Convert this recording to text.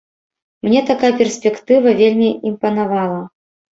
Мне такая перспектыва вельмі імпанавала.